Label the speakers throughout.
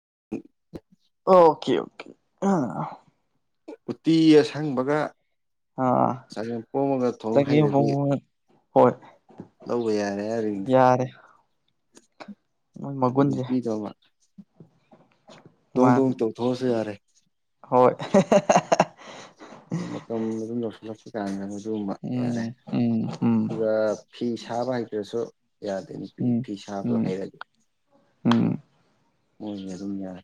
Speaker 1: [unintelligible]
Speaker 2: okay okay ꯑ
Speaker 1: ꯎꯇꯤ ꯑꯁꯪꯕꯒ ꯆꯒꯦꯝ ꯄꯣꯝꯃꯒ ꯊꯣꯡ
Speaker 2: ꯆꯒꯦꯝ
Speaker 1: ꯍꯩꯔꯗꯤ
Speaker 2: ꯄꯣꯝꯕ ꯍꯣꯏ
Speaker 1: ꯂꯧꯕ ꯌꯥꯔꯦ ꯍꯥꯏꯔꯤꯅꯦ
Speaker 2: ꯌꯥꯔꯦ ꯃꯣꯏ
Speaker 1: ꯑꯗꯨ
Speaker 2: ꯃꯒꯨꯟꯁꯦ
Speaker 1: ꯅꯨꯄꯤꯗꯨꯃ ꯊꯣꯡ
Speaker 2: ꯃꯥꯟ
Speaker 1: ꯊꯣꯡ ꯇꯧ ꯊꯁꯦ ꯌꯥꯔꯦ
Speaker 2: ꯍꯣꯏ
Speaker 1: ꯃ ꯃꯇꯝ ꯃ ꯂꯁ ꯂꯁꯤ ꯀ ꯑꯗꯨꯒꯨꯝꯕ
Speaker 2: ꯎꯝ
Speaker 1: ꯌꯥꯔꯦ
Speaker 2: ꯎꯝ ꯎꯝ
Speaker 1: ꯑꯗꯨꯒ ꯐꯤ ꯁꯥꯕ ꯍꯩꯇ꯭ꯔꯁꯨ ꯌꯥꯗꯅꯤ
Speaker 2: ꯎꯝ
Speaker 1: ꯐꯤꯤꯁꯥꯇ
Speaker 2: ꯎꯝ
Speaker 1: ꯍꯥꯏꯔꯒꯦ
Speaker 2: ꯎꯝ
Speaker 1: ꯑꯗꯨ ꯌꯥ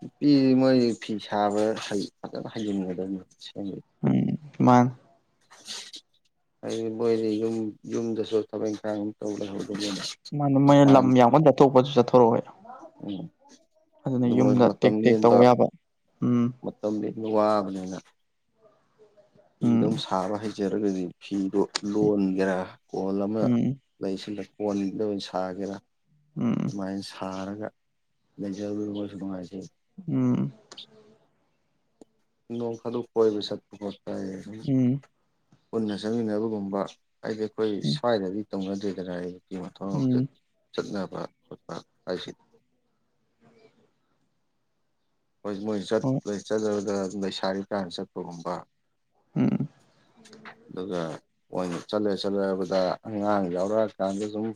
Speaker 1: ꯅꯨꯄꯤ ꯃꯣꯏ ꯐꯤ ꯁꯥꯕ ꯐꯖꯅ ꯍꯩꯖꯤꯟꯒꯗꯣꯏꯅꯤ
Speaker 2: ꯎꯝ ꯃꯥ
Speaker 1: ꯍꯥꯏꯗꯤ ꯃꯣꯏꯗꯤ ꯌꯨꯝ ꯌꯨꯝꯗꯁꯨ ꯊꯕꯛ ꯏꯪꯈꯥꯡ ꯑꯃ ꯇꯧꯍꯋꯦ
Speaker 2: ꯃꯥꯅ ꯃꯣꯏꯅ ꯂꯝ ꯌꯥꯝꯕ ꯆꯠꯊꯣꯛꯄꯁꯨ ꯆꯠꯊꯣꯔꯛꯑꯣ
Speaker 1: ꯎꯝ ꯑꯗꯨ ꯃꯣꯏꯅ ꯃꯇꯝ
Speaker 2: ꯇꯦꯛ ꯇꯦꯛ
Speaker 1: ꯌꯦꯟꯕ
Speaker 2: ꯇꯧꯕ ꯌꯥꯕ ꯎꯝ
Speaker 1: ꯃꯇꯝꯗꯤ ꯋꯥꯕꯅꯦꯅ
Speaker 2: ꯎꯝ
Speaker 1: ꯑꯗꯨꯝ ꯁꯥꯕ ꯍꯩꯖꯔꯒꯗꯤ ꯐꯤꯗꯣ ꯂꯣꯟꯒꯦꯔꯥ ꯀꯣꯟ ꯑꯃ
Speaker 2: ꯎꯝ
Speaker 1: ꯂꯩꯁꯤꯗ ꯀꯣꯟꯗ ꯑꯣꯏꯅ ꯁꯥꯒꯦꯔꯥ
Speaker 2: ꯎꯝ
Speaker 1: ꯑꯗꯨꯃꯥꯏꯅ ꯁꯥꯔꯒ ꯂꯩꯖꯔꯗ ꯃꯣꯏꯁꯨ ꯅꯨꯡꯉꯥꯏꯖꯩ
Speaker 2: ꯎꯝ
Speaker 1: ꯅꯣꯡꯈꯥꯗꯨ ꯀꯣꯏ ꯄꯩꯁꯥ ꯄꯨꯨꯡ
Speaker 2: ꯎꯝ
Speaker 1: ꯄꯨꯟꯅ ꯆꯪꯃꯤꯟꯅꯕꯒꯨꯝꯕ ꯑꯩꯗꯤ ꯑꯩꯈꯣꯏ
Speaker 2: ꯎꯝ
Speaker 1: ꯁ꯭ꯋꯥꯏꯗꯗꯤ ꯇꯧꯅꯗ꯭ꯦꯗꯔ ꯑꯩ
Speaker 2: ꯎꯝ ꯎꯝ
Speaker 1: ꯆꯠꯅꯦ ꯑ ꯀꯁꯤ ꯍꯣꯏ ꯃꯣꯏ
Speaker 2: ꯍꯣꯏ
Speaker 1: ꯆꯠꯔꯒ ꯂꯩꯁꯥꯔꯤ ꯀꯥꯟ ꯆꯠꯄꯒꯨꯝꯕ
Speaker 2: ꯎꯝ
Speaker 1: ꯑꯗꯨꯒ ꯑꯣꯏꯅ ꯆꯠꯂꯦ ꯆꯠꯂꯔꯕꯗ ꯑꯉꯥꯡ ꯌꯥꯎꯔꯛꯑꯀꯥꯟꯗ ꯁꯨꯝ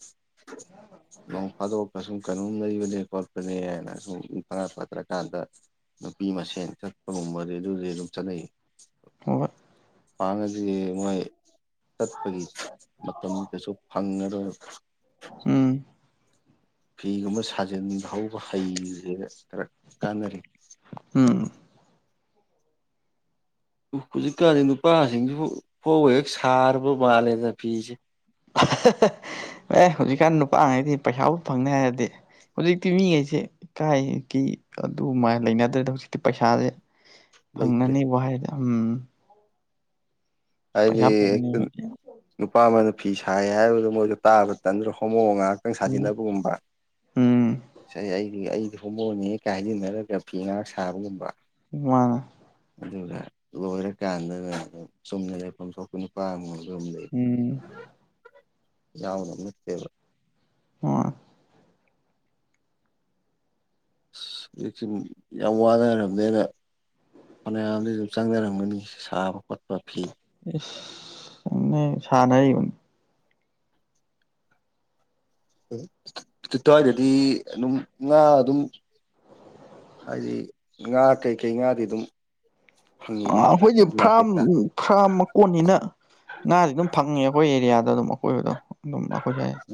Speaker 1: ꯂꯣꯡ ꯐꯥꯗ ꯀꯁꯨꯨꯝ ꯀ ꯂꯩꯕ ꯅꯦ ꯍꯥꯏꯅ ꯁꯨꯝ ꯐꯉꯥ ꯐꯠꯇ꯭ꯔꯀꯥꯟꯗ ꯅꯨꯄꯤ ꯃꯁꯦꯟ ꯆꯠꯄꯒꯨꯝꯕꯗꯤ ꯑꯗꯨꯗꯤ ꯑꯗꯨꯝ ꯆꯠꯅꯩ
Speaker 2: ꯑꯠ
Speaker 1: ꯋꯥꯉꯗꯤ ꯃꯣꯏ ꯆꯠꯄꯒꯤ ꯃꯇꯝꯗꯨꯗꯁꯨ ꯐꯪꯉꯔꯣꯏꯕ
Speaker 2: ꯎ
Speaker 1: ꯐꯤꯒꯨꯝꯕ ꯁꯥꯖꯤꯟ ꯍꯥꯎꯧꯕ ꯍꯩꯁꯦ ꯈꯔ ꯀꯥꯟꯅꯔ
Speaker 2: ꯎꯝ
Speaker 1: ꯍꯧꯖꯤꯛꯀꯥꯟꯗꯤ ꯅꯨꯄꯥꯁꯤꯡꯁꯤ ꯐꯣꯛ ꯍꯦꯛ ꯁꯥꯔꯕ ꯃꯥꯜꯂꯦꯗꯅ ꯐꯤꯁꯦ
Speaker 2: ꯑꯦ ꯍꯧꯖꯤꯛꯀꯥꯟ ꯅꯨꯄꯥꯈꯩꯗꯤ ꯄꯩꯁꯥꯕꯨ ꯐꯪꯅꯤ ꯍꯥꯏꯔꯗꯤ ꯍꯧꯖꯤꯛꯇꯤ ꯃꯤꯉꯩꯁꯦ ꯏꯀꯥꯏꯒꯤ ꯑꯗꯨꯃꯥꯏꯅ ꯂꯩꯅꯗ꯭ꯔꯦꯗ ꯍꯧꯖꯤꯛꯇꯤ ꯄꯩꯁꯥꯁꯦ
Speaker 1: ꯂꯩꯇ꯭ꯔꯦ
Speaker 2: ꯐꯪꯅꯅꯦ ꯍꯥꯏꯗ ꯎꯝ
Speaker 1: ꯍꯥꯏꯗꯤ
Speaker 2: ꯄꯩꯁꯥ ꯐꯪꯅꯤ
Speaker 1: ꯅꯨꯄꯥ ꯑꯃꯅ ꯐꯤ ꯁꯥꯏ ꯍꯥꯏꯕꯗꯣ ꯃꯣꯏꯗ ꯇꯥꯕ ꯇꯟꯗ꯭ꯔ ꯍ ꯃꯑꯣꯡ ꯉꯥꯏꯍꯥꯛꯇꯪ
Speaker 2: ꯎꯝ
Speaker 1: ꯁꯥꯖꯤꯟꯅꯕꯒꯨꯝꯕ
Speaker 2: ꯎꯝ
Speaker 1: ꯉ ꯑꯩꯒꯤ ꯑꯩ ꯍꯣꯃꯣꯟꯅꯤ ꯍꯦꯛꯒ ꯍꯥꯏꯖꯤꯟꯅꯔꯒ ꯐꯤ ꯉꯥ ꯁꯥꯕꯒꯨꯝꯕ
Speaker 2: ꯃꯥꯅ
Speaker 1: ꯑꯗꯨꯒ ꯂꯣꯏꯔꯀꯥꯟꯗꯒꯝ ꯆꯨꯝꯅ ꯂꯩꯐꯝ ꯊꯣꯛꯄ ꯅꯨꯄꯥꯝꯃꯨ
Speaker 2: ꯎꯝ
Speaker 1: ꯌꯥꯎꯅ ꯃꯦꯕ
Speaker 2: ꯃꯥ
Speaker 1: ꯑ ꯑꯩꯁꯤ ꯌꯥꯝ ꯋꯥꯅꯔꯝꯗꯦꯅ ꯍꯅꯖꯨꯞꯁ꯭ꯔꯪꯔꯅꯤ ꯁꯕ ꯈꯣꯠꯄ ꯐꯤ
Speaker 2: ꯁꯅꯥꯏꯣꯟ
Speaker 1: ꯠꯇꯋꯥꯗꯗꯤ ꯑꯗꯨꯝ ꯉꯥ ꯑꯗꯨꯝ ꯍꯥꯏꯗꯤ ꯉꯥ ꯀꯩꯀꯩ ꯉꯥꯗꯤ ꯑꯗꯨꯝ ꯐꯪꯉꯤꯒꯦ
Speaker 2: ꯑꯩꯈꯣꯏꯁꯦ ꯐꯥꯝ
Speaker 1: ꯃꯥꯔꯀꯦꯠꯇ
Speaker 2: ꯐ꯭ꯔꯥꯝ ꯃꯀꯣꯟꯅꯤꯅ ꯉꯥꯥꯁ ꯑꯗꯨꯝ ꯐꯪꯉꯦ ꯑꯩꯈꯣꯏ ꯑꯦꯔꯤꯌꯥꯗ ꯑꯗꯨꯝ ꯑꯀꯣꯏꯕꯗꯣ ꯑꯗꯨꯝ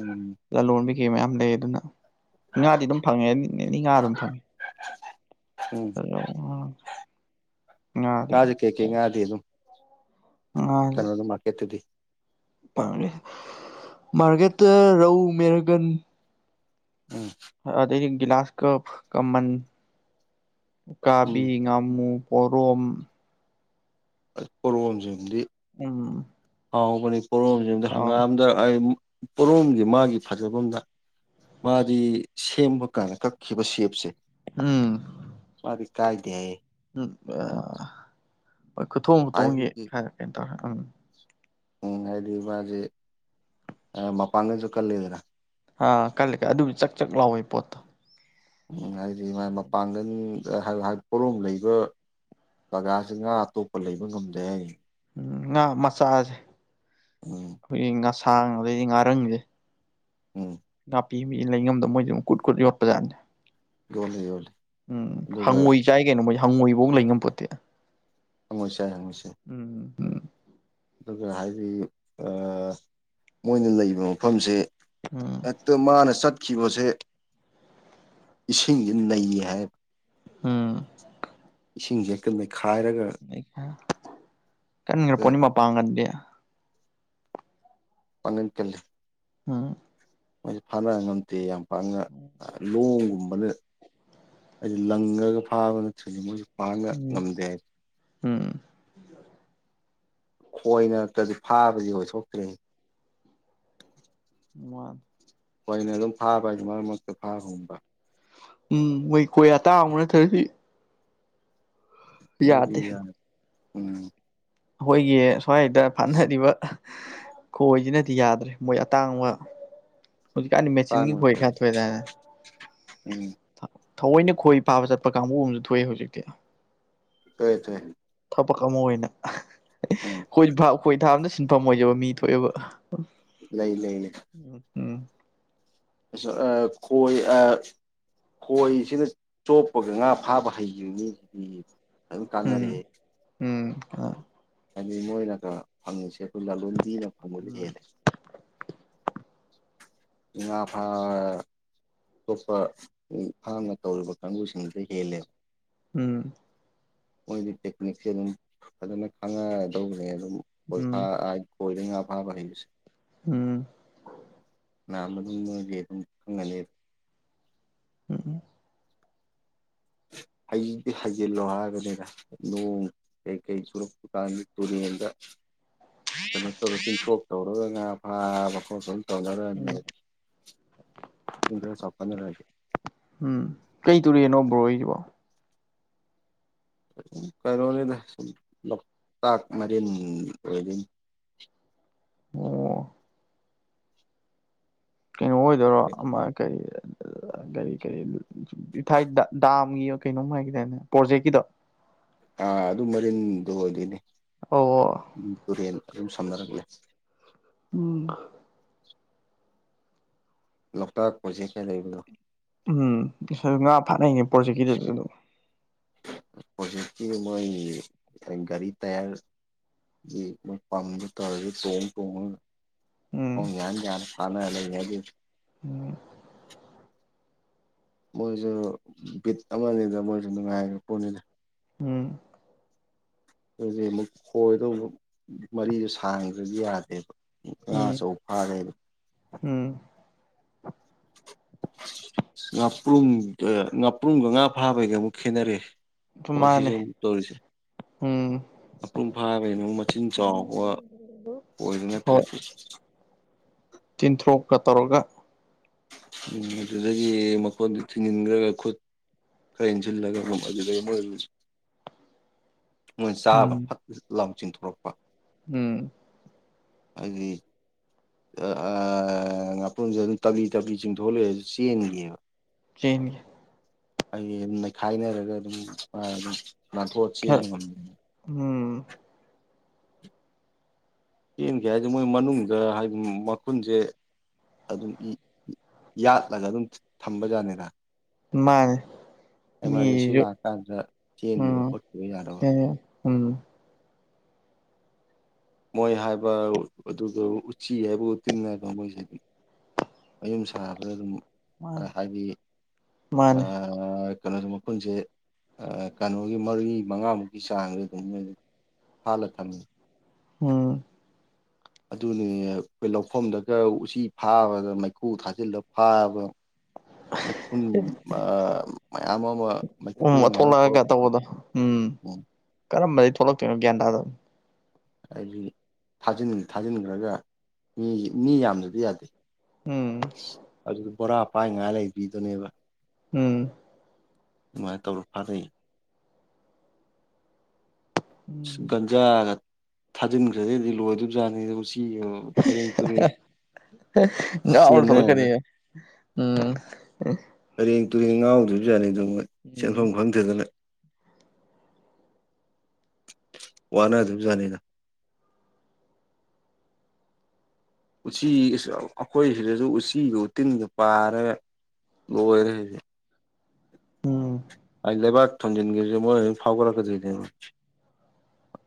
Speaker 1: ꯎꯝ
Speaker 2: ꯂꯣꯟꯕꯤ ꯀꯩ ꯃꯌꯥꯝ ꯂꯩ ꯑꯗꯨꯅ ꯉꯥꯗꯤ ꯑꯗꯨꯝ ꯐꯪꯉꯦꯅꯤ ꯉꯥ ꯑꯗꯨꯝ ꯐꯪꯉꯦ
Speaker 1: ꯎꯝ
Speaker 2: ꯉꯥꯗꯤ
Speaker 1: ꯉꯁꯨ ꯀꯦ ꯀ ꯉꯗꯤ ꯑꯗꯨ ꯀꯩꯅꯣꯅ ꯃꯥ ꯀꯦꯠꯇꯗꯤ
Speaker 2: ꯥꯡꯦ ꯃꯥꯔꯒꯦꯠ ꯔꯧ ꯃꯦꯔꯒꯟ
Speaker 1: ꯎꯝ
Speaker 2: ꯑꯗꯨꯗꯗꯤ ꯒꯂꯥꯁ ꯀꯞ ꯀꯃꯟ
Speaker 1: ꯎꯝ
Speaker 2: ꯀꯥꯕꯤ ꯉꯝꯨ ꯄꯔꯣꯨꯝ
Speaker 1: ꯄꯣꯝꯁꯤꯡꯗꯤ
Speaker 2: ꯑꯝ
Speaker 1: ꯍꯥꯎꯕꯅꯤ ꯄꯣꯔꯣꯝꯁꯤꯗ ꯍꯪꯒꯥꯝꯗ ꯑꯩ ꯄꯣꯔꯣꯝꯒꯤ ꯃꯥꯒꯤ ꯐꯖꯕꯗ ꯃꯥꯗꯤ ꯁꯦꯝꯕ ꯀꯥꯟꯗ ꯀꯛꯈꯤꯕ ꯁꯦꯞꯁꯦ
Speaker 2: ꯎꯝ
Speaker 1: ꯀꯥꯏꯗꯌꯦ
Speaker 2: ꯎꯝ ꯍꯣꯏ ꯈꯨꯊꯣꯡ ꯈꯨꯊꯣꯡꯒꯤ
Speaker 1: ꯍꯥꯏꯕꯗꯤ
Speaker 2: ꯈ ꯀꯩ ꯇꯧꯔꯦ ꯎꯝ
Speaker 1: ꯎꯝ ꯍꯥꯏꯗꯤ ꯃꯥꯁꯦ ꯃꯄꯥꯡꯒꯩꯁꯨ ꯀꯜꯂꯤꯗꯅ
Speaker 2: ꯑ ꯀꯜꯂꯀ ꯑꯗꯨꯗꯤ ꯆꯥꯛ ꯆꯥꯛ ꯂꯥꯎꯋꯦ ꯄꯣꯠꯇ
Speaker 1: ꯎꯝ ꯍꯥꯏꯗꯤ ꯃꯥꯥꯏ ꯃꯄꯥꯡꯒꯜ ꯄꯣꯂꯣꯝ ꯂꯩꯕ ꯖꯒꯥꯁꯤ ꯉꯥ ꯑꯇꯣꯞꯄ ꯂꯩꯕ ꯉꯝꯗꯦ ꯍꯥꯏꯅꯤ
Speaker 2: ꯎ ꯉꯥ ꯃꯆꯥꯁꯦ
Speaker 1: ꯎꯝ
Speaker 2: ꯑꯩꯈꯣꯏꯒꯤ ꯉꯁꯥꯡ ꯑꯗꯩꯗꯤ ꯉꯥꯔꯪꯁꯦ
Speaker 1: ꯎꯝ
Speaker 2: ꯅꯥꯄꯤ ꯃꯤ ꯂꯩꯉꯝꯗ ꯃꯣꯏꯗꯤ ꯑꯗꯨꯝ ꯀꯨꯠ ꯀꯨꯠ ꯌꯣꯠꯄꯖꯥꯠꯅꯤ
Speaker 1: ꯌꯣꯜꯂꯦ ꯌꯣꯜꯂꯦ
Speaker 2: ꯎꯝ
Speaker 1: ꯑꯗꯨꯒ
Speaker 2: ꯍꯪꯉꯣꯏ ꯆꯥꯏ ꯀꯩꯅꯣ ꯃꯣꯏ ꯍꯪꯉꯣꯏꯕꯧ ꯂꯩꯅꯝꯄꯣꯠꯇꯦ
Speaker 1: ꯍꯪꯉꯣꯏꯆꯥꯏ ꯃꯣꯏꯁꯦ ꯑꯗꯨꯒ ꯍꯥꯏꯗꯤ ꯃꯣꯏꯅ ꯂꯩꯕ ꯃꯐꯝꯁꯦ
Speaker 2: ꯎꯝ
Speaker 1: ꯑꯠꯇ ꯃꯥꯅ ꯆꯠ ꯕꯁꯦ ꯏꯁꯤꯡ ꯅꯩ ꯍꯥꯏ
Speaker 2: ꯑꯝ
Speaker 1: ꯏꯁꯤꯡꯁꯦ ꯀꯅ ꯈꯥꯏꯔꯒ
Speaker 2: ꯀꯟꯒ꯭ꯔ ꯄꯣꯅꯤ ꯃꯄꯥꯡꯒꯟꯗꯤ
Speaker 1: ꯄꯅ ꯀꯜꯂꯤ
Speaker 2: ꯎꯝ
Speaker 1: ꯃꯣꯏꯁꯦ ꯐꯥꯅ ꯉꯝꯗꯦ ꯌꯥꯝ ꯄꯥꯛꯅ ꯂꯣꯡꯒꯨꯝꯕ ꯃꯗꯨ ꯑꯩꯁ ꯂꯪꯉꯒ ꯐꯥꯕꯅ ꯊꯤꯡꯅꯤ ꯃꯣꯏꯁꯨ ꯄꯉ
Speaker 2: ꯎꯝ
Speaker 1: ꯉꯝꯗꯦꯦ
Speaker 2: ꯎꯝ
Speaker 1: ꯈꯣꯏꯅꯔꯛꯇꯗꯤ ꯐꯥꯗꯤ ꯑꯣꯏꯊꯣꯛꯇ꯭ꯔꯦ
Speaker 2: ꯃꯥ
Speaker 1: ꯑꯩꯈꯣꯏꯅ ꯑꯗꯨꯝ ꯐꯥꯕ ꯍꯥꯏꯗꯨ ꯃꯔꯛ ꯃꯔꯛꯇ ꯐꯥ ꯈꯣꯡꯕ
Speaker 2: ꯎꯝ ꯃꯣꯏ ꯀꯣꯏ ꯑꯇꯥꯅ ꯊꯔꯗꯤ
Speaker 1: ꯑꯣꯏ ꯌꯥ ꯎꯝ
Speaker 2: ꯑꯩꯈꯣꯏꯒꯤ ꯁ꯭ꯋꯥꯏꯗ ꯐꯥꯅꯔꯤꯕ ꯈꯣꯏꯗꯤꯅꯗꯤ ꯌꯥꯗ꯭ꯔꯦ ꯃꯣꯏ ꯑꯇꯥꯡꯕ ꯍꯧꯖꯤ ꯀꯅꯤ ꯃꯦꯆꯤꯟꯒꯤ ꯍꯣꯏ
Speaker 1: ꯇꯥꯡꯕ
Speaker 2: ꯈ ꯊꯣꯗꯅ
Speaker 1: ꯎꯝ
Speaker 2: ꯊꯑꯣꯏꯅ ꯈꯣꯏ ꯄꯥꯕ ꯆꯠꯄ ꯀꯥꯡꯕꯨ ꯑꯃꯁꯨ ꯊꯣꯛꯑꯦ ꯍꯧꯖꯤꯛꯇꯤ
Speaker 1: ꯇꯣꯏ ꯇꯥꯏ
Speaker 2: ꯊꯕꯛ ꯑꯃ ꯑꯣꯏꯅ ꯈꯣꯏ ꯊꯥꯕꯅ ꯁꯤꯟꯐꯝ ꯑꯣꯏꯖꯕ ꯃꯤ ꯊꯣꯛꯑꯕ
Speaker 1: ꯂꯩ ꯂꯩ ꯂꯩ
Speaker 2: ꯎꯝ
Speaker 1: ꯑ ꯀꯣꯏ ꯑ ꯈꯣꯏꯁꯤꯅ ꯆꯣꯞꯄꯒ ꯉꯥ ꯐꯥꯕ ꯍꯩꯈꯤꯕꯅꯤ ꯑꯗꯨ
Speaker 2: ꯎꯝ
Speaker 1: ꯀꯥꯟꯅꯔꯦ
Speaker 2: ꯎꯝ ꯑ
Speaker 1: ꯍꯥꯏꯗꯤ ꯃꯣꯏꯅꯒ ꯐꯪꯉꯁꯦ ꯂꯂꯣꯟꯕꯤꯅ ꯐꯃꯜ
Speaker 2: ꯎꯝ
Speaker 1: ꯍꯦꯜꯂꯦ ꯏ ꯐꯥ ꯑꯇꯣꯞꯄ ꯍꯥꯡꯅ ꯇꯧꯔꯤꯕ ꯀꯥꯡꯕꯨꯁꯤꯡꯗꯨꯗ ꯍꯦꯜꯂꯦꯕ
Speaker 2: ꯎꯝ
Speaker 1: ꯃꯣꯏꯗꯤ ꯇꯦꯛꯅꯤꯛꯁꯦ ꯑꯗꯨꯝ ꯐꯖꯅ ꯈꯪꯉꯗꯈ꯭ꯔꯦ ꯑꯗꯨꯝ ꯀꯣꯏꯥ
Speaker 2: ꯎꯝ
Speaker 1: ꯀꯣꯏꯔ ꯉꯥ ꯐꯥꯕ ꯍꯩꯕꯁꯦ
Speaker 2: ꯎꯝ
Speaker 1: ꯅꯃ ꯑꯗꯨꯒꯦꯗꯝ ꯑꯅꯦ
Speaker 2: ꯎꯝ
Speaker 1: ꯎ ꯍꯩꯖꯤꯛꯇꯤ ꯍꯩꯖꯤꯜꯂꯣ ꯍꯥꯏꯕꯅꯤꯅ ꯅꯣꯡ ꯀꯩꯀꯩ ꯁꯨꯔꯛꯄ ꯀꯥꯟꯗ ꯇꯨꯔꯦꯟꯗ ꯀꯩꯅꯣ ꯇꯧꯔ ꯊꯤꯟꯊ꯭ꯔꯣꯛ ꯇꯧꯔꯒ ꯉꯥ ꯐꯕ
Speaker 2: ꯎꯝ
Speaker 1: ꯀꯂꯔꯅꯤ [unintelligible]
Speaker 2: ꯎꯝ ꯀꯩ ꯇꯔꯦꯟꯅꯣ ꯕ꯭ꯔꯣꯔꯤꯕꯣ
Speaker 1: ꯀꯩꯅꯣꯅꯤꯗ ꯂꯣꯛꯇꯥꯛ ꯃꯔꯤꯟ ꯑꯣꯏ [inaudible]
Speaker 2: ꯑꯣ ꯀꯩꯅꯣ ꯑꯣꯏꯗꯣꯏꯔꯣ ꯑꯃ ꯀꯔꯤ
Speaker 1: [inaudible]
Speaker 2: ꯀꯔꯤ ꯀꯔꯤ ꯏꯊꯥꯏ ꯗꯥꯝꯒꯤ ꯀꯩꯅꯣꯝ ꯍꯥꯏꯒꯗꯅꯦ ꯄ꯭ꯔꯣꯖꯦꯛꯀꯤꯗꯣ
Speaker 1: ꯑꯥ ꯑꯗꯨ ꯃꯔꯤꯟꯗꯨ ꯑꯣꯏꯗꯣꯏꯅꯦ
Speaker 2: ꯑꯣ
Speaker 1: ꯇꯨꯔꯦꯟ ꯑꯗꯨꯨꯝ ꯁꯝꯅꯔꯛꯂꯦ
Speaker 2: ꯎꯝ
Speaker 1: ꯂꯣꯛ ꯇꯥꯛ ꯀꯣꯏꯁꯤꯀꯦ ꯂꯩꯅꯣ
Speaker 2: ꯎꯝ ꯉꯥ ꯐꯥꯅꯩꯅꯦ ꯄ꯭ꯔꯣꯖꯦꯛꯀꯤꯗꯨ ꯑꯗꯨꯝ
Speaker 1: ꯄ꯭ꯔꯣꯖꯤꯛꯀꯤ ꯃꯣꯏꯒꯤ ꯒꯥꯔꯤ ꯇꯌꯥꯔ ꯌꯦ ꯃꯣꯏ ꯄꯝꯕ ꯇꯥꯔꯦ ꯇꯣꯡꯉ
Speaker 2: ꯎꯝ
Speaker 1: ꯇꯣꯡꯉ ꯍ ꯌꯥꯅꯤ ꯌꯥꯅ ꯐꯥ ꯂꯩ ꯍꯥꯏꯒ
Speaker 2: ꯎꯝ
Speaker 1: ꯃꯣꯏꯁꯨ ꯕꯤꯠ ꯑꯃꯅꯤꯗ ꯃꯣꯏꯁꯨ ꯅꯨꯡꯉꯥꯏꯔꯦ ꯄꯣꯠꯅꯤꯗ
Speaker 2: ꯎꯝ
Speaker 1: [inaudible] ꯑꯗꯨꯣꯏꯖꯤꯦ ꯑꯃꯨꯛ ꯈꯣꯏꯗꯧꯕ ꯃꯔꯤꯗꯨ ꯁꯥꯡꯗ꯭ꯔꯗꯤ ꯌꯥꯗꯦꯕ ꯉꯥ
Speaker 2: ꯎꯝ
Speaker 1: ꯑꯆꯧ ꯐꯥ ꯎꯝ
Speaker 2: ꯎꯝ
Speaker 1: [inaudible] [inaudible] ꯉꯥꯄ꯭ꯔꯨꯝ ꯉꯥꯄ꯭ꯔꯨꯝꯒ ꯉꯉꯥ ꯐꯥꯕꯩꯒ ꯑꯃꯨꯛ ꯈꯦꯅꯔꯦ
Speaker 2: ꯑꯗꯨ ꯃꯥꯅꯦ
Speaker 1: ꯃꯣꯏꯁꯤꯁꯨ ꯇꯧꯔꯤꯁ
Speaker 2: ꯎꯝ
Speaker 1: ꯃꯄꯨꯡ ꯐꯥꯕꯒꯤꯩꯅꯣ ꯃꯆꯤꯟ ꯆꯥꯎꯕ ꯑꯣꯏꯕ ꯅꯠꯇ꯭ꯔꯗꯤ
Speaker 2: ꯇꯤꯟꯊꯣꯔꯣꯛꯀ ꯇꯧꯔꯒ
Speaker 1: ꯎ ꯑꯗꯨꯗꯒꯤ ꯃꯈꯣꯟꯗꯨ ꯊꯤꯡꯖꯤꯟꯈ꯭ꯔꯒ ꯈꯨꯠ ꯈꯔ ꯏꯟꯁꯤꯜꯂꯒ ꯑꯗꯨ ꯑꯗꯨꯗꯒꯤ ꯃ ꯅꯣꯏ ꯆꯥꯕ
Speaker 2: ꯎꯝ
Speaker 1: ꯐꯠ ꯂꯥꯎ ꯆꯤꯟꯊꯣꯔꯛꯄ
Speaker 2: ꯎꯝ
Speaker 1: ꯍꯥꯏꯗꯤ ꯉꯥꯄꯨꯝꯁꯦ ꯑꯗꯨꯝ ꯇꯞꯂꯤ ꯇꯞꯂꯤ ꯆꯤꯡꯊꯣꯛꯂꯛꯑꯦ ꯑꯗꯨ ꯆꯦꯟꯒꯤꯕ
Speaker 2: ꯆꯅꯤ
Speaker 1: ꯑꯩ ꯃꯩꯈꯥꯏꯅꯔꯒ ꯑꯗꯨꯝ ꯑꯗꯨ ꯅ ꯇ ꯆ
Speaker 2: ꯈꯔ ꯎꯝ
Speaker 1: ꯆꯦꯟꯒꯦ ꯍꯥꯏꯁꯦ ꯃꯣꯏ ꯃꯅꯨꯡꯗ ꯍꯥꯏꯗꯤ ꯃꯈꯨꯟꯁꯦ ꯑꯗꯨꯝ ꯌꯥꯠꯂꯒ ꯑꯗꯨꯝ ꯊꯝꯕꯖꯠꯅꯤꯗ
Speaker 2: ꯃꯥꯅꯦ
Speaker 1: ꯑꯦꯃꯥꯔꯖꯦꯟꯁꯤ
Speaker 2: ꯃꯤꯁꯨ
Speaker 1: ꯂꯥꯛꯑꯀꯥꯟꯗ ꯆꯦꯟꯈꯤꯕ
Speaker 2: ꯎꯝ
Speaker 1: ꯈꯣꯠꯈꯤꯕ ꯌꯥꯔꯕ
Speaker 2: ꯎꯝ
Speaker 1: ꯃꯣꯏ ꯍꯥꯏꯕ ꯑꯗꯨꯒ ꯎꯆꯤ ꯍꯥꯏꯕꯕꯨ ꯇꯤꯟꯅꯕ ꯃꯣꯏꯁꯤꯗꯤ ꯑꯌꯨꯝ ꯁꯥꯕꯗ ꯑꯗꯨꯝ ꯍꯥꯏꯕꯗꯤ
Speaker 2: ꯃꯥꯅꯦ
Speaker 1: ꯀꯩꯅꯣꯁꯣ ꯃꯄꯨꯟꯁꯦ ꯀꯩꯅꯣꯒꯤ ꯃꯔꯤ ꯃꯉꯥꯃꯨꯛꯀꯤ ꯆꯥꯡꯁ ꯑꯗꯨꯝ ꯐꯂ ꯈꯅꯤ
Speaker 2: ꯎꯝ
Speaker 1: ꯑꯗꯨꯅꯤ ꯑꯩꯈꯣꯏ ꯂꯧꯐꯝꯗꯒ ꯎꯆꯤ ꯐꯥꯕꯗ ꯃꯩꯈꯨ ꯊꯥꯖꯤꯜꯂꯒ ꯐꯥꯕ ꯃꯩꯈꯨꯟ ꯃꯌꯥꯝ ꯑꯃ ꯃꯩꯈꯨ
Speaker 2: ꯎꯝ
Speaker 1: ꯃꯌꯥꯝ ꯊꯣꯛꯂꯛꯄꯁꯨ ꯎꯝ
Speaker 2: ꯀꯔꯝꯕꯗꯒꯤꯩ ꯊꯣꯛꯂꯛꯇꯣꯏꯅꯣ ꯒ꯭ꯌꯥꯟ ꯇꯥꯗꯕ
Speaker 1: ꯍꯥꯏꯗꯤ ꯊꯥ ꯊꯥꯖꯤꯟꯈ꯭ꯔꯒ ꯃꯤ ꯃꯤ ꯌꯥꯝꯗ꯭ꯔꯗꯤ ꯌꯥꯗꯦ
Speaker 2: ꯎꯝ
Speaker 1: ꯑꯗꯨꯗꯤ ꯕꯣꯔꯥ ꯄꯥꯏ ꯉꯥꯏ ꯂꯩꯕꯤꯗꯨꯅꯦꯕ
Speaker 2: ꯎꯝ
Speaker 1: ꯑꯗꯨꯃꯥꯏꯅ ꯇꯧꯔ ꯐꯥꯔꯩ ꯒꯟꯖꯥꯒ ꯊꯥꯖꯤꯟꯈ꯭ꯔꯗꯤꯗꯤ ꯂꯣꯏꯗꯣꯢ ꯕꯖꯥꯅꯤ
Speaker 2: ꯉꯥꯑꯣꯔꯒ ꯊꯣꯛꯂꯛ
Speaker 1: ꯆꯦꯟꯅꯗꯅ
Speaker 2: ꯀꯅꯤꯍꯦ ꯎꯝ
Speaker 1: ꯇꯦꯡ ꯇꯨꯔꯦꯡ ꯉꯥꯎꯗꯕꯁꯨ ꯌꯥꯠꯅꯤ ꯑꯗꯨ ꯃꯣꯏ ꯁꯦꯟꯐꯝ
Speaker 2: ꯎꯝ
Speaker 1: ꯈꯪꯗꯦꯗꯅ ꯋꯥꯅ ꯗꯧꯖꯅꯤꯗ ꯎꯆꯤ ꯑꯩꯈꯣꯏ ꯁꯤꯗꯁꯨ ꯎꯆꯤꯒ ꯎꯇꯤꯟꯒ ꯄꯥꯔꯒ ꯂꯣꯏꯔꯦ
Speaker 2: ꯎꯝ
Speaker 1: ꯍꯧꯖꯤꯛ ꯂꯩꯕꯥꯛ ꯊꯣꯟꯖꯤꯟ ꯐꯥꯎꯒꯔꯥꯛ ꯗꯣꯏꯖꯥꯛꯅꯤ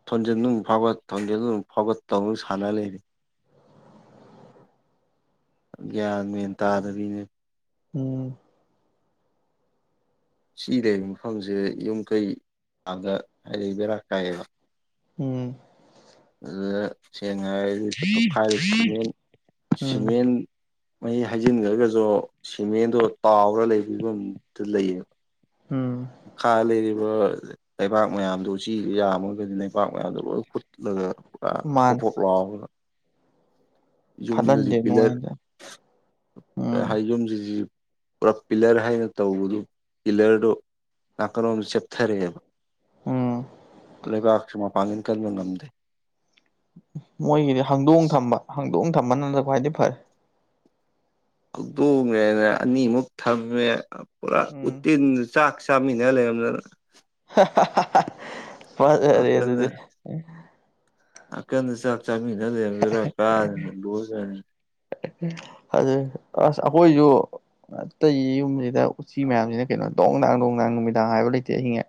Speaker 1: ꯊꯣꯟꯖꯦꯜ ꯃꯨꯛ ꯐꯥꯎꯒꯠ ꯊꯣꯟꯖꯦꯜ ꯃꯨꯛ ꯐꯥꯎꯒꯠ ꯇꯧꯅ ꯁꯥꯟꯅ ꯂꯩꯔꯤ ꯒ꯭ꯌꯥꯟ ꯃꯦꯟ ꯇꯥꯗꯕꯤꯅꯦ
Speaker 2: ꯎꯝ
Speaker 1: ꯎꯆꯤ ꯂꯩ ꯃꯐꯝꯁꯦ ꯌꯨꯝ ꯀꯩ ꯑꯥꯒ ꯍꯥꯏꯔꯗꯤ ꯕꯦꯔꯥ ꯀꯥꯏꯌꯦꯕ
Speaker 2: ꯎꯝ
Speaker 1: ꯑꯗꯨꯗ ꯌꯦꯡꯉꯥꯏꯗ ꯇꯣꯈꯥꯏꯔ ꯁꯤꯃꯦꯟ
Speaker 2: ꯎꯝ
Speaker 1: ꯁꯤꯃꯦꯟ ꯃꯥꯍꯤ ꯍꯥꯏꯩꯖꯤꯟꯈ꯭ꯔꯒꯁꯨ ꯁꯤꯃꯦꯟꯗꯣ ꯇꯥꯎꯔ ꯂꯩꯕꯤꯕꯗꯨ ꯂꯩꯌꯦꯕ
Speaker 2: ꯎꯝ
Speaker 1: ꯃꯈꯥ ꯂꯩꯔꯤ ꯄꯨꯔ ꯂꯩꯕꯥꯛ ꯃꯌꯥꯝꯗꯣ ꯎꯆꯤꯥ ꯌꯥꯝꯃꯨꯔꯒꯗꯤ ꯂꯩꯄꯥꯛ ꯃꯌꯥꯝꯗꯣ ꯂꯣꯏ ꯈꯨꯨꯠꯂꯒ ꯄꯨꯔꯥ
Speaker 2: ꯃꯥꯅꯦ
Speaker 1: ꯄꯣꯐꯞ ꯂꯎꯔꯒ ꯌꯨꯝꯗꯗꯤ
Speaker 2: ꯐꯠꯍꯟꯗꯦ
Speaker 1: ꯄꯤꯂꯔ
Speaker 2: ꯅꯨꯡꯉꯥꯏꯍꯟꯗꯦ ꯎꯝ
Speaker 1: ꯍꯥꯏ ꯌꯨꯝꯁꯤ ꯄꯨꯔꯞ ꯄꯤꯂꯔ ꯍꯥꯏꯅ ꯇꯧꯕꯗꯨ ꯄꯤꯂꯔꯗꯨꯣ ꯅꯥꯀꯟ ꯑꯃꯝꯗꯣ ꯆꯦꯞꯊꯔꯛꯑꯦꯕ
Speaker 2: ꯎꯝ
Speaker 1: ꯂꯩꯕꯥꯛ ꯃꯄꯥꯒꯟ ꯀꯟꯕꯥ ꯉꯝꯗꯦ
Speaker 2: ꯃꯣꯏꯒꯤꯗꯤ ꯍꯥꯡꯗꯣꯡ ꯊꯝꯕ ꯍꯥꯡꯗꯣꯡ ꯊꯝꯕꯅꯅ ꯈ꯭ꯋꯥꯏꯗꯤ ꯐꯔꯦ
Speaker 1: ꯍꯧꯗꯣꯡꯉꯦꯅ ꯑꯅꯤꯃꯨꯛ ꯊꯝꯃꯦ ꯄꯨꯔꯥ
Speaker 2: ꯎꯝ
Speaker 1: ꯎꯇꯤꯟ ꯆꯥꯛ ꯆꯥꯃꯤꯟꯅ ꯂꯩ [unintelligible]
Speaker 2: ꯐꯖꯔꯦ
Speaker 1: ꯅꯥꯀꯟꯗ
Speaker 2: ꯑꯗꯨꯗꯤ
Speaker 1: ꯅꯥꯀꯟꯗ ꯆꯥꯛ ꯆꯥꯃꯤꯅ ꯂꯩꯔꯝꯕꯗꯨꯗꯥ ꯀꯥ
Speaker 2: ꯑꯁ ꯑꯩꯏꯀꯣꯢ ꯁꯨ ꯑꯇꯩ ꯌꯨꯝꯁꯤꯗ ꯎꯆꯤ ꯃꯌꯥꯝꯁꯤꯅ ꯀꯩꯅꯣ ꯗꯣꯡꯗꯥꯡ ꯗꯣꯡꯗꯥꯡ ꯅꯨꯃꯤꯗꯥꯡ ꯍꯥꯏꯕ ꯂꯩꯇꯦ ꯑꯍꯤꯡꯉꯦ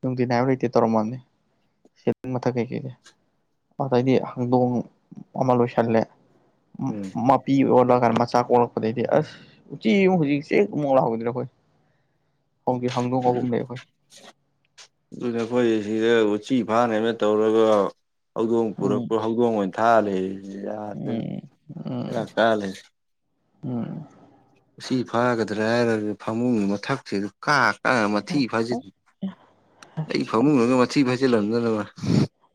Speaker 2: ꯅꯨꯡꯇꯤ ꯅꯥꯏꯕ ꯂꯩꯇꯦ ꯇꯧꯔꯝꯃꯜꯅꯤ ꯁꯤ ꯃꯊꯛ ꯀꯩꯀꯩꯗꯤ ꯑꯗꯏꯗꯤ ꯍꯥꯡꯗꯣꯡ ꯑꯃ ꯂꯣꯏꯁꯜꯂꯦ
Speaker 1: ꯎꯝ
Speaker 2: ꯑꯣꯜꯂꯛꯀꯥꯟꯗ ꯃꯆꯥ ꯀꯣꯛꯂꯛꯄꯗꯩꯗꯤ ꯑꯁ ꯎꯆꯦꯛ ꯍꯧꯖꯤꯛ ꯆꯦ ꯀꯃꯣꯛ ꯂꯥꯛꯍꯧꯗꯔ ꯑꯩꯈꯣꯏ ꯍꯣꯡꯒꯤ ꯍꯥꯡꯗꯣꯡ ꯑꯍꯨꯝ ꯂꯩ ꯑꯩꯈꯣꯏ
Speaker 1: ꯑꯗꯨꯅ ꯑꯩꯈꯣꯏ ꯁꯤꯗ ꯎꯆꯤ ꯐꯥꯅꯦꯅ ꯇꯧꯔꯒ ꯍꯧꯗꯣꯡ
Speaker 2: ꯎꯝ
Speaker 1: ꯄꯨꯔꯛꯄ ꯍꯧꯗꯣꯡ ꯑꯣꯏꯅ ꯊꯥꯜꯂꯤ ꯌꯗꯦꯗꯥ
Speaker 2: ꯎꯝ
Speaker 1: ꯕꯦꯔꯥ
Speaker 2: ꯎꯝ
Speaker 1: ꯀꯔꯒꯥ ꯂꯩꯔꯝꯃꯤ
Speaker 2: ꯎꯝ
Speaker 1: ꯁꯤ ꯐꯥꯒꯗ꯭ꯔꯦ ꯍꯥꯏꯔꯒ ꯐꯃꯨꯡꯗꯨ ꯃꯊꯛꯁꯤ ꯑꯗꯨ ꯀꯥ ꯀꯥ ꯃꯊꯤ ꯐꯥꯖꯤꯜꯂꯤ ꯑꯩ ꯐꯃꯨꯡꯗꯨꯒ ꯃꯊꯤ ꯐꯩꯖꯤꯜꯂꯝꯗꯃ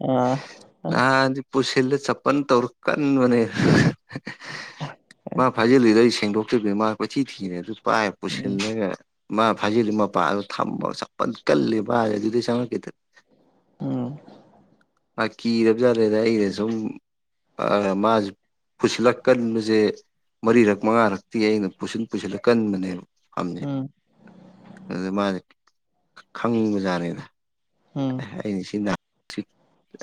Speaker 2: ꯑꯥ
Speaker 1: ꯅꯍꯥꯟꯗꯤ ꯄꯨꯁꯤꯜꯂ ꯁꯄꯟ ꯇꯧꯔ ꯀꯟꯕꯅꯦ ꯃꯥ ꯐꯥꯖꯤꯂꯨꯗꯣꯏ ꯁꯦꯡꯗꯣꯛ ꯕꯃꯥ ꯀꯣꯏꯊꯤ ꯊꯤꯔꯦ ꯑꯗꯨ ꯄꯥꯏ
Speaker 2: ꯎꯝ
Speaker 1: ꯄꯨꯁꯤꯜꯂꯒ ꯃꯥ ꯐꯥꯖꯤꯜꯂꯤ ꯃꯄꯥꯗ ꯊꯝꯕꯄꯟ ꯀꯜꯂꯦ ꯃꯥꯁꯦ ꯑꯗꯨꯩ ꯆꯪꯉꯛꯀꯦꯗ
Speaker 2: ꯎꯝ
Speaker 1: ꯀꯤꯗꯕ ꯖꯥꯠꯗꯦꯗ ꯑꯩꯅ ꯁꯨꯝ ꯃꯥꯁꯨ ꯄꯨꯁꯤꯜꯂꯛ ꯀꯟꯕꯁꯦ ꯃꯔꯤꯔꯛ ꯃꯉꯥꯔꯛꯇꯤ ꯑꯩꯅ ꯄꯨꯁꯤꯟ ꯄꯨꯁꯤꯜꯂꯛ ꯀꯟꯕꯅꯦꯕ
Speaker 2: ꯎꯝ
Speaker 1: ꯑꯗꯨ ꯃꯥꯅꯤ ꯑꯪꯕꯖꯥꯠꯅꯤꯗ
Speaker 2: ꯎꯝ
Speaker 1: ꯑꯩꯩꯅ ꯁꯤ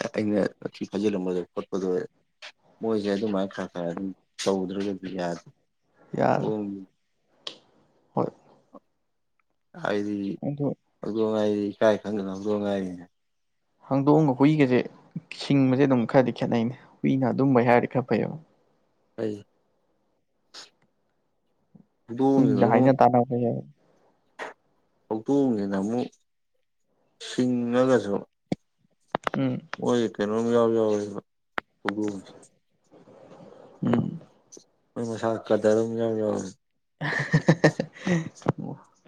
Speaker 1: ꯑꯩꯅ ꯊꯤ ꯐꯥꯖꯤꯜꯂꯝꯕꯗꯣ ꯈꯣꯠꯄꯗꯣ ꯃꯣꯏꯁꯦ ꯑꯗꯨꯃꯥꯏꯅ ꯈꯔ ꯈꯔ ꯑꯗꯨꯝ ꯇꯧꯗ ꯌꯥꯗ
Speaker 2: ꯌꯥꯔꯦ
Speaker 1: ꯎꯝ
Speaker 2: ꯍꯣꯏ
Speaker 1: ꯍꯥꯏꯗꯤ
Speaker 2: ꯑꯗꯨ
Speaker 1: ꯍꯧꯗꯣꯡ ꯉꯥꯏꯔꯤ ꯏꯀꯥꯏ ꯈꯪꯗꯅ ꯍꯧꯗꯣꯡ ꯉꯥꯏꯔꯤꯅꯦ
Speaker 2: ꯍꯥꯡꯗꯣꯡꯑꯒ ꯍꯨꯏꯒꯁꯦ ꯁꯤꯡꯕꯁꯦ ꯑꯗꯨꯝ ꯈꯔꯗꯤ ꯈꯦꯠꯅꯩꯅꯦ ꯍꯨꯏꯅ ꯑꯗꯨꯝꯕꯩ ꯍꯥꯏꯔꯗꯤ ꯈꯔ ꯐꯩꯕ
Speaker 1: ꯑꯩ ꯍꯧꯗꯣꯡꯁꯤꯅ
Speaker 2: ꯍꯨꯏꯗ
Speaker 1: ꯑꯃꯨꯛ
Speaker 2: ꯍꯥꯏꯅ ꯇꯅꯥ ꯍꯦ
Speaker 1: ꯍꯧꯗꯣꯡꯅꯤꯅ ꯑꯃꯨꯛ ꯁꯤꯡꯉꯒꯁꯨ
Speaker 2: ꯎꯝ
Speaker 1: ꯑꯣꯏꯣꯏ ꯀꯩꯅꯣꯝ ꯌꯥꯎ ꯐ
Speaker 2: ꯎꯝ
Speaker 1: ꯃꯁꯥꯀꯗꯔ ꯌꯥ ꯌꯥ
Speaker 2: [inaudible]